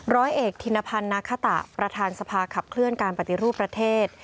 ร้อยเอกธินพันธ์นาคตะประธานสภาขับเคลื่อนการปฏิรูปประเทศ